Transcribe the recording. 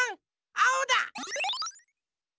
あおだ！